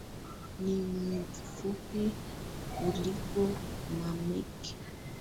Ni mfupi kuliko mamake.